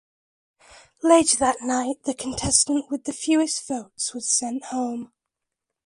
Later the same night, the contestant with the fewest votes was sent home.